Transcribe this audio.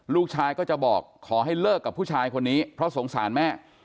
ลูกชายก็จะบอกขอให้เลิกกับผู้ชายคนนี้เพราะสงสารแม่